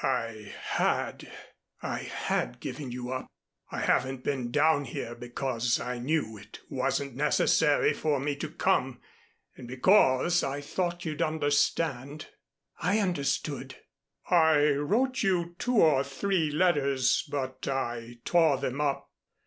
"I had. I had given you up. I haven't been down here because I knew it wasn't necessary for me to come and because I thought you'd understand." "I understood." "I wrote you two or three letters, but I tore them up.